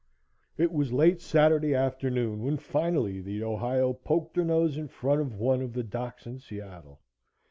It was late Saturday afternoon when finally the Ohio poked her nose in front of one of the docks in Seattle.